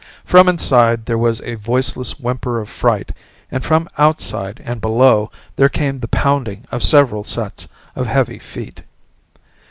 From inside there was a voiceless whimper of fright and from outside and below there came the pounding of several sets of heavy feet.